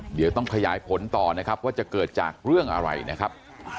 เดี๋ยวต้องขยายผลต่อนะครับว่าจะเกิดจากเรื่องอะไรนะครับ